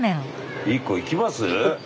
一個いきます？